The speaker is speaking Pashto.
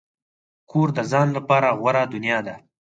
کور د ځان لپاره غوره دنیا ده.